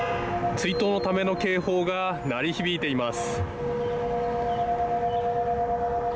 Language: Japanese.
追悼のための警報が鳴り響いています。